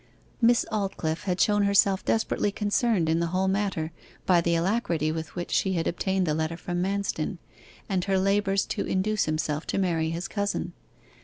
Miss Aldclyffe had shown herself desperately concerned in the whole matter by the alacrity with which she had obtained the letter from Manston, and her labours to induce himself to marry his cousin.